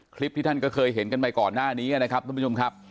คลิปที่ท่านก็เคยเห็นกันไปก่อนหน้านี้นะครับทุกผู้ชมครับ